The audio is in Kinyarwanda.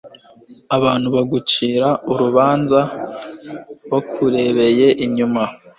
abantu bagucira urubanza bakurebeye inyuma